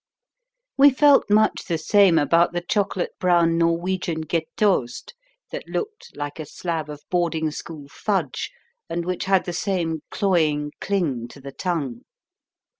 We felt much the same about the chocolate brown Norwegian Gjetost that looked like a slab of boarding school fudge and which had the same cloying cling to the tongue.